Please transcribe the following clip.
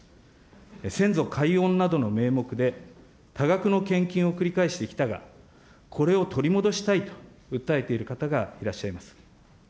先祖解怨などの名目で、多額の献金を繰り返してきたが、これを取り戻したいと訴えている方がいらっしゃいます。